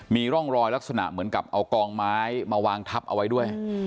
มีร่องรอยลักษณะเหมือนกับเอากองไม้มาวางทับเอาไว้ด้วย